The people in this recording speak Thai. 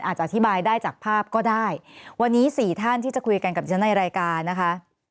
อธิบายได้จากภาพก็ได้วันนี้สี่ท่านที่จะคุยกันกับดิฉันในรายการนะคะ